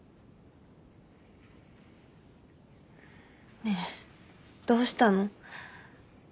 ねえどうしたの？